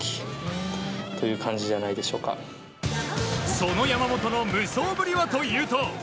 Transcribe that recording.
その山本の無双ぶりはというと。